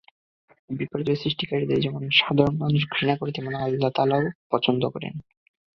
বিপর্যয় সৃষ্টিকারীদের যেমন সাধারণ মানুষ ঘৃণা করে, তেমনি আল্লাহ তাআলাও অপছন্দ করেন।